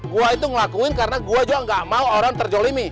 gue itu ngelakuin karena gue juga gak mau orang terjolimi